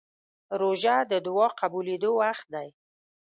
روژه د دعا قبولېدو وخت دی.